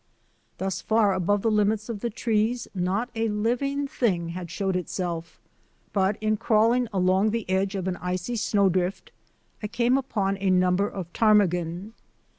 Thus far above the limits of the trees not a living thing had showed itself, but in crawling along the edge of an icy snowdrift I came upon a number of ptarmigan.